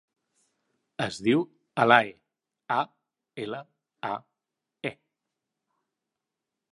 Es diu Alae: a, ela, a, e.